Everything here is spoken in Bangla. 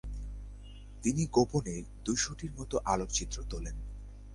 তিনি গোপণে দুইশোটির মত আলোকচিত্র তোলেন।